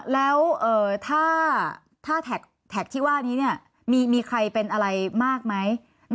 แล้วถ้าแท็กที่ว่านี้มีใครเป็นอะไรมากไหม